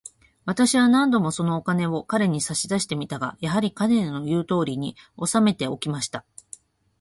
私は何度も、そのお金を彼に差し出してみましたが、やはり、彼の言うとおりに、おさめておきました。